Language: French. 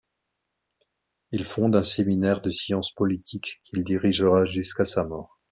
Il fonde un séminaire de science politique qu'il dirigera jusqu'à sa mort.